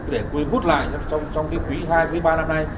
để quý hút lại trong quý hai quý ba năm nay